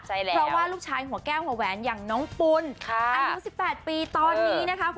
เพราะว่าลูกชายหัวแก้วหัวแหวนอย่างน้องปุ่น๖๑๘ปีตอนนี้นะคะคุณผู้ชมค่ะ